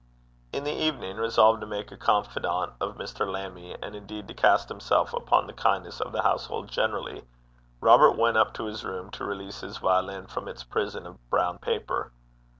In the evening, resolved to make a confidant of Mr. Lammie, and indeed to cast himself upon the kindness of the household generally, Robert went up to his room to release his violin from its prison of brown paper.